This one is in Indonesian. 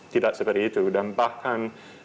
tidak seperti itu dan bahkan